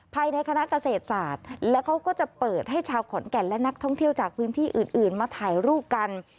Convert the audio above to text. ภายในคณะเกษตรศาสตร์แล้วเขาก็จะเปิดให้ชาวขอนแก่นและนักท่องเที่ยวจากพื้นที่อื่นมาถ่ายรูปกัน